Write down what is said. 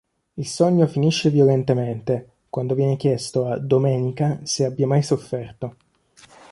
Il sogno finisce violentemente, quando viene chiesto a "Domenica" se abbia mai sofferto.